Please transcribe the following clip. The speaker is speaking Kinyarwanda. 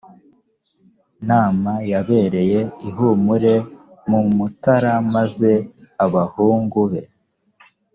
nama yabereye i humure mu mutara maze abahungu be